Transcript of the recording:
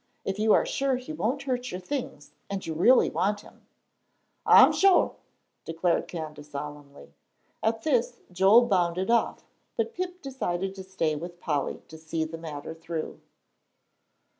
"If you are sure he won't hurt your things and you really want him." "I'm shore," declared Candace, solemnly. At this Joel bounded off, but Pip decided to stay with Polly to see the matter through.